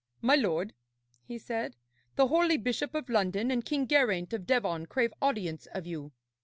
'My lord,' he said, 'the holy Bishop of London and King Geraint of Devon crave audience of you.'